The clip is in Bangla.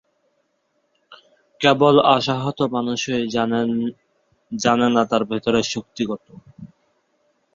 কেবল আশাহত মানুষই জানেনা তার ভেতরের শক্তি কত!